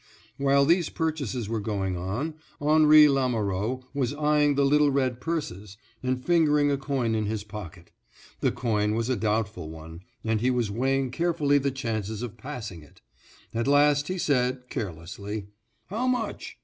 While these purchases were going on, Henri Lamoureux was eying the little red purses, and fingering a coin in his pocket. The coin was a doubtful one, and he was weighing carefully the chances of passing it. At last he said, carelessly, "How much?"